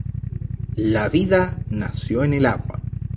La vida nació en el agua.